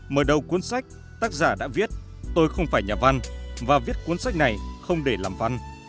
mở đầu cuốn sách tác giả đã viết tôi không phải nhà văn và viết cuốn sách này không để làm văn